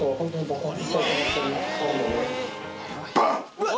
うわっ！